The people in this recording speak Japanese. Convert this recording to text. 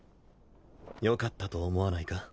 よかったと思わないか？